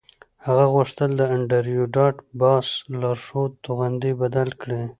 هغه غوښتل د انډریو ډاټ باس لارښود توغندی بدل کړي